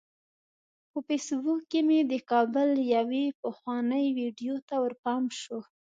په فیسبوک کې مې د کابل یوې پخوانۍ ویډیو ته ورپام شو.